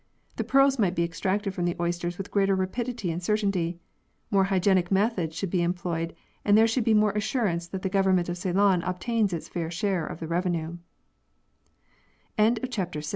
The pearls might be extracted from the oysters with greater rapidity and certainty. More hygienic methods should be employed and there should be more assurance that the Government of Ceylon obtains